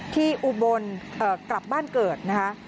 อุบลกลับบ้านเกิดนะคะ